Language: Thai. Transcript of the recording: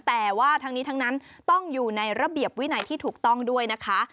แต่ว่าทั้งนี้ทั้งนั้นต้องอยู่ในระเบียบวินัยที่ถูกต้องด้วยนะคะ